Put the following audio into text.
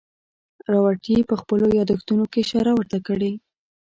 راورټي په خپلو یادښتونو کې اشاره ورته کړې.